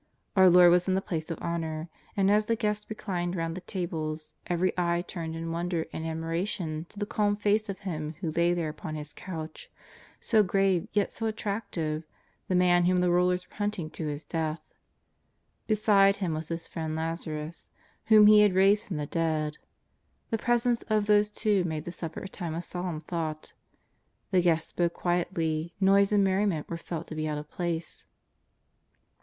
Our Lord was in the place of honour, and, as the guests reclined round the tables, every eye turned in wonder and ad miration to the calm face of Him who lay there upon His couch, so grave yet so attractive, the Man whom the rulers were hunting to His death. Beside Him was His friend Lazarus, whom He had raised from the dead. The presence of those two made the supper a time of solemn thought ; the guests spoke quietly, noise and merriment were felt to be out of place.